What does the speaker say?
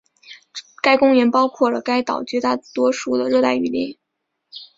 该公园包括了该岛绝大多数的热带雨林。